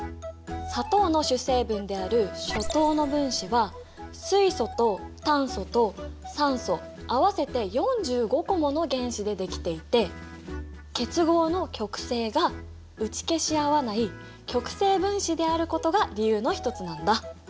砂糖の主成分であるショ糖の分子は水素と炭素と酸素合わせて４５個もの原子でできていて結合の極性が打ち消し合わない極性分子であることが理由のひとつなんだ。